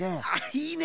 いいね。